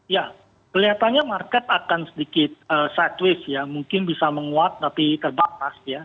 ya kelihatannya market akan sedikit sideways ya mungkin bisa menguat tapi terbatas ya